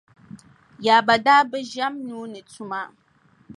Yaba daa bi ʒɛm nuu ni tuma.